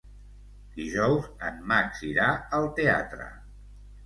Dijous en Max irà al teatre.